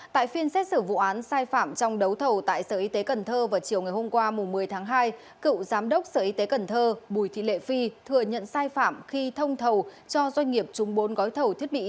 tại phiên xét xử vụ án sai phạm trong đấu thầu tại sở y tế cần thơ vào chiều ngày hôm qua một mươi tháng hai cựu giám đốc sở y tế cần thơ bùi thị lệ phi thừa nhận sai phạm khi thông thầu cho doanh nghiệp trúng bốn gói thầu thiết bị